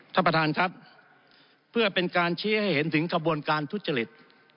ท่านประธานครับเพื่อเป็นการชี้ให้เห็นถึงขบวนการทุจริต